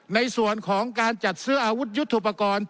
ในส่วนของการจัดซื้ออาวุธยุทธุปกรณ์